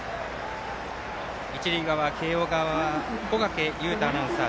一塁側、慶応側は小掛雄太アナウンサー。